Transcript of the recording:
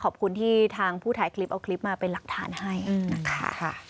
ขอบคุณที่ทางผู้ถ่ายคลิปเอาคลิปมาเป็นหลักฐานให้นะคะ